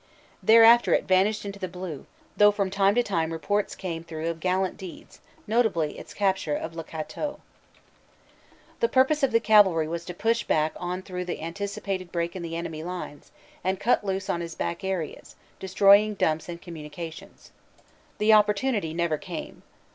There after it vanished into the blue, though from time to time reports came through of gallant deeds, notably its capture of Le Cateau. CANADIAN CAVALRY BRIGADE 75 The purpose of the cavalry was to push on through the anticipated break in the enemy lines and cut loose in his back areas, destroying dumps and communications. The opportu nity never came.